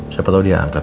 siapa tau dia angkat